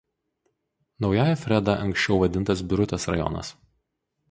Naująja Freda anksčiau vadintas Birutės rajonas.